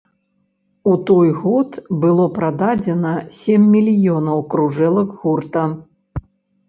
У той год было прададзена сем мільёнаў кружэлак гурта.